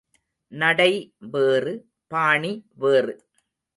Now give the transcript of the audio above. நடை வேறு, பாணி வேறு.